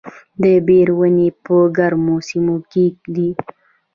د بیر ونې په ګرمو سیمو کې دي؟